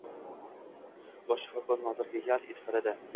Bosh shifokor Nodirga yalt etib qaradi.